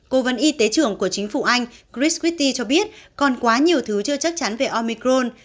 cố vấn y tế trưởng của chính phủ anh chris cuitti cho biết còn quá nhiều thứ chưa chắc chắn về omicron